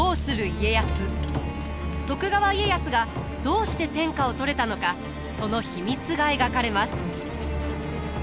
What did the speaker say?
徳川家康がどうして天下を取れたのかその秘密が描かれます。